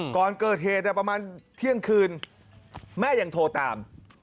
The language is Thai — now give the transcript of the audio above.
ก่อนเกิดเหตุประมาณเที่ยงคืนแม่ยังโทรตาม